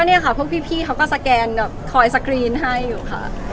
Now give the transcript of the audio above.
เนี่ยค่ะพวกพี่เขาก็สแกนแบบคอยสกรีนให้อยู่ค่ะ